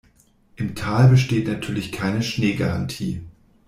Im Tal besteht natürlich keine Schneegarantie.